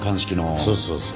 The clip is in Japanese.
そうそうそう。